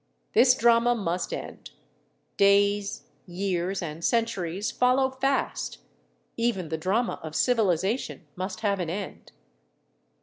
This drama must end; days, years, and centuries follow fast; even the drama of civilization must have an end.